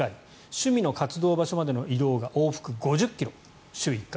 趣味の活動場所までの移動が往復５０ｋｍ、週１回。